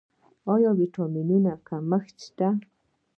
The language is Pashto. آیا د ویټامینونو کمښت شته؟